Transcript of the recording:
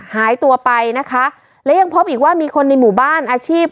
หายตัวไปนะคะและยังพบอีกว่ามีคนในหมู่บ้านอาชีพ